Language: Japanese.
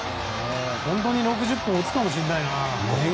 本当に６０本打つかもしれないな。